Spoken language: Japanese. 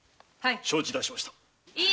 承知致しました。